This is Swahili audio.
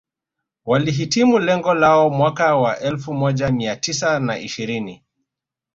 Walihitimu lengo lao mwaka wa elfu moja mia tisa na ishirini